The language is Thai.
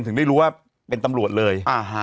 ถึงได้รู้ว่าเป็นตำรวจเลย